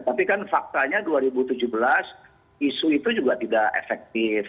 tapi kan faktanya dua ribu tujuh belas isu itu juga tidak efektif